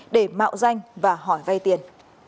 để mạo danh và hỏi vay tiền